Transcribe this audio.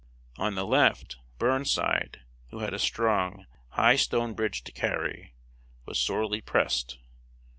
On the left, Burnside, who had a strong, high stone bridge to carry, was sorely pressed.